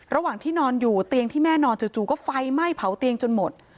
ระหว่างที่นอนอยู่เตียงที่แม่นอนจู่ก็ไฟไหม้เผาเตียงจนหมด